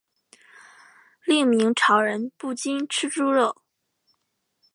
另明朝人不禁吃猪肉。